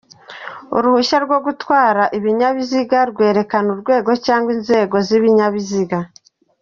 Uruhushya rwo gutwara ibinyabiziga rwerekana urwego cyangwa inzego z’ibinyabiziga.